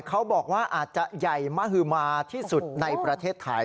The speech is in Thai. เขาบอกว่าอาจจะใหญ่มหือมาที่สุดในประเทศไทย